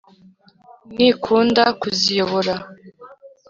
Nikunda kuziyobora !